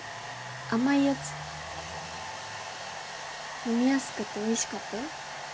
甘いやつ飲みやすくておいしかったよ